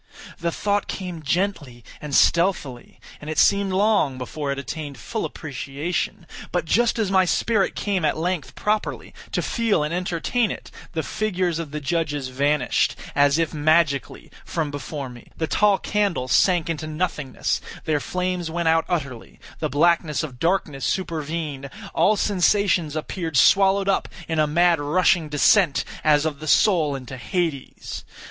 The thought came gently and stealthily, and it seemed long before it attained full appreciation; but just as my spirit came at length properly to feel and entertain it, the figures of the judges vanished, as if magically, from before me; the tall candles sank into nothingness; their flames went out utterly; the blackness of darkness supervened; all sensations appeared swallowed up in a mad rushing descent as of the soul into Hades.